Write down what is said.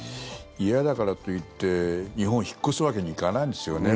嫌だからといって日本を引っ越すわけにはいかないですよね。